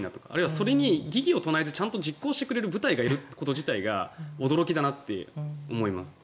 それに疑義を唱えずちゃんと実行してくれる部隊がいること自体が驚きだなって思います。